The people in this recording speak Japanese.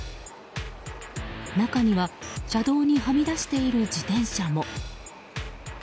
中には車道にはみ出している自転車も。